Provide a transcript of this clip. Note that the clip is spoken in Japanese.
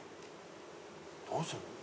どうする？